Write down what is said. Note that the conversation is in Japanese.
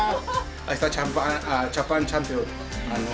あしたジャパンがチャンピオン。